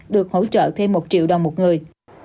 được hỗ trợ thêm một triệu đồng một người